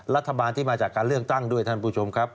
รัฐบาลที่มาจากการเลือกตั้งด้วยท่านผู้ชมครับ